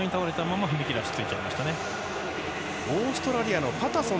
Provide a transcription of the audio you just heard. オーストラリアのパタソン。